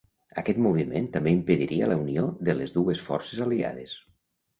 Aquest moviment també impediria la unió de les dues forces aliades.